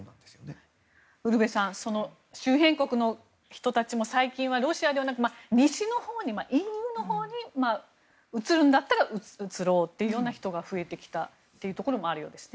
ウルヴェさん周辺国の人たちも最近はロシアではなく西のほうに、ＥＵのほうに移るんだったら移ろうという人が増えてきたというところもあるようです。